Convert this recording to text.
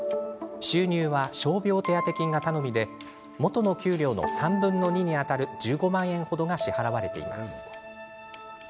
収入は傷病手当金が頼みで元の給料の３分の２にあたる１５万円程が支払われています。